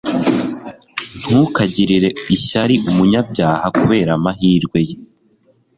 ntukagirire ishyari umunyabyaha kubera amahirwe ye